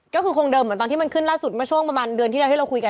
ก็คือคงเดิมเหมือนตอนที่มันขึ้นล่าสุดเมื่อช่วงประมาณเดือนที่แล้วที่เราคุยกัน